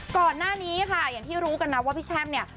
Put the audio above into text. ก่อนหน้านี้ค่ะอย่างที่รู้กันนะว่าพี่แช่มเนี่ย